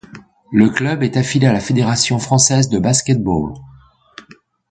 Le club est affilié à la fédération française de Basket-ball.